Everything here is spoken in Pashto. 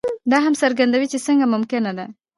دا هم څرګندوي چې څنګه ممکنه ده.